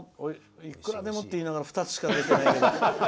いくらでもって言いながら２つしか出てないけど。